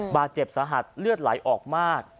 บาดเจ็บสาหัสเลือดไหลออกมาก